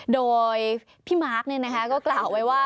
โดยพี่มาร์คเนี่ยนะคะก็กล่าวไว้ว่า